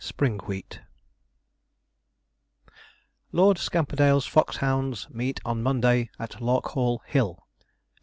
SPRINGWHEAT 'Lord Scamperdale's foxhounds meet on Monday at Larkhall Hill,' &c.